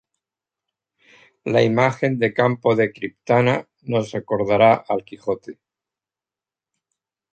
La imagen de Campo de Criptana nos recordará al Quijote.